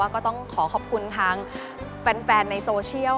ก็ต้องขอขอบคุณทางแฟนในโซเชียล